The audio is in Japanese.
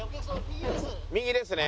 右ですね